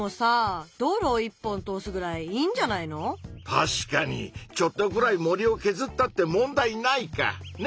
確かにちょっとぐらい森をけずったって問題ないか！ね？